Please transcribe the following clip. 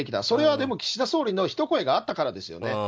それは岸田総理の一声があったからですよね。